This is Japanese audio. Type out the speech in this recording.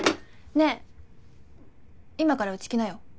ねえ今からうち来なよ。